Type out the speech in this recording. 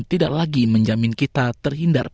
tidak lagi menjamin kita terhindar